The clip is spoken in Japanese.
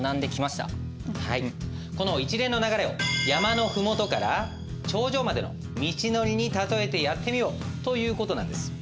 この一連の流れを山のふもとから頂上までの道のりにたとえてやってみよう。という事なんです。